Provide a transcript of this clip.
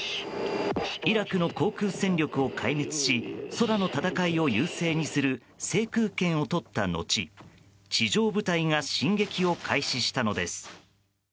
イラクの航空戦力を壊滅し空の戦いを優勢にする制空権をとった後地上部隊が進撃を開始したのです。